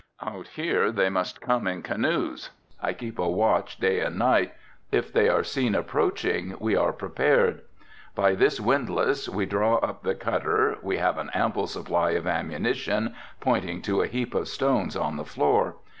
Out here they must come in canoes, I keep a watch day and night, if they are seen approaching we are prepared. By this windlass we draw up the cutter, we have an ample supply of ammunition, pointing to a heap of stones on the floor.